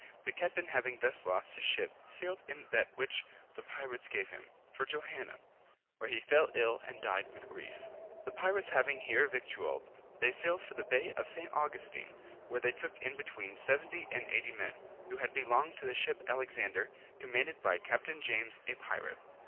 The captain having thus lost his ship, sailed in that which the pirates gave him, for Johanna, where he fell ill and died with grief. The pirates having here victualled, they sailed for the Bay of St. Augustine, where they took in between 70 and 80 men, who had belonged to the ship Alexander, commanded by Capt. James, a pirate.